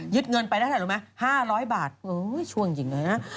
ยึดเงินไปแล้วใช่หรือไม่ห้าร้อยบาทโอ้ยช่วงจริงเลยนะฮะ